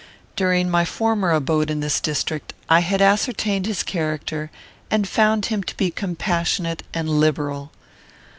During my former abode in this district, I had ascertained his character, and found him to be compassionate and liberal.